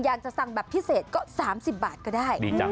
อยากจะสั่งแบบพิเศษก็๓๐บาทก็ได้